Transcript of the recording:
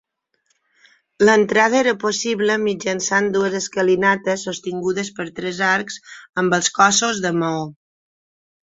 L'entrada era possible mitjançant dues escalinates sostingudes per tres arcs amb els cossos de maó.